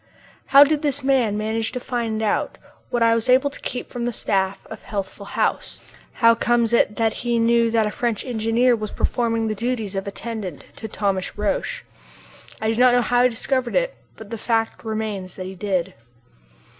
How did this man manage to find out what I was able to keep from the staff of Healthful House? How comes it that he knew that a French engineer was performing the duties of attendant to Thomas Roch? I do not know how he discovered it, but the fact remains that he did.